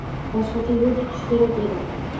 Boshqacha yoʻl tutish kerak edi